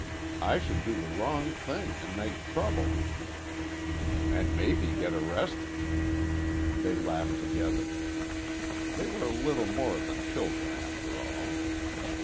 I should do the wrong thing and make trouble " "And maybe get arrested " They laughed together. They were little more than children, after all.